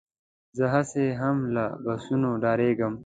زه هسې هم له بسونو ډارېږم.